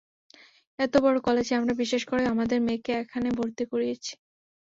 এত বড় কলেজে আমরা বিশ্বাস করে আমাদের মেয়েকে এখানে ভর্তি করিয়েছি।